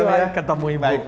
ayo ketemu ibu